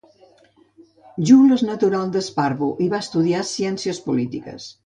Juul és natural de Sparbu i va estudiar ciències polítiques.